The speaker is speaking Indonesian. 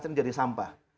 sering jadi sampah